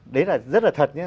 đấy là rất là thật nhé